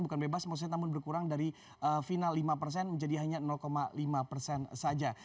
bukan bebas maksudnya namun berkurang dari final lima persen menjadi hanya lima persen saja